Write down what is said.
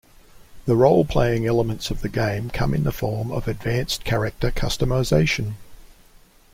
The role-playing elements of the game come in the form of advanced character customization.